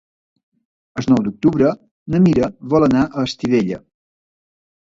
El nou d'octubre na Mira vol anar a Estivella.